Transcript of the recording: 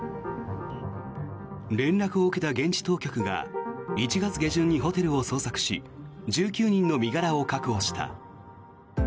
連絡を受けた現地当局が１月下旬にホテルを捜索し１９人の身柄を確保した。